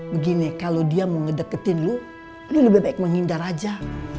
begini kalau dia mau ngedeketin lu ini lebih baik menghindar aja